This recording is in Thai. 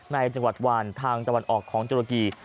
ในจังหวัดวานทางตะวันออกของตุรกี